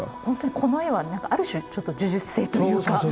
本当にこの絵はある種ちょっと呪術性というか。